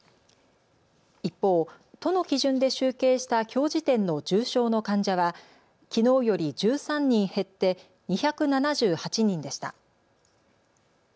一方、都の基準で集計したきょう時点の重症の患者はきのうより１３人減って２７８人でした。